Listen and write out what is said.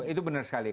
itu benar sekali